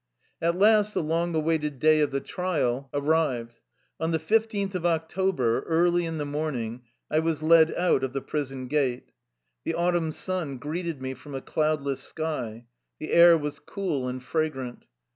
At last the long awaited day of the trial ar rived. On the fifteenth of October, early in the morning, I was led out of the prison gate. The autumn sun greeted me from a cloudless sky. The air was cool and fragrant.